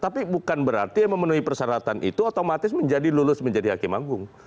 tapi bukan berarti yang memenuhi persyaratan itu otomatis menjadi lulus menjadi hakim agung